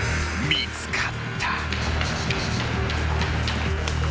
［見つかった］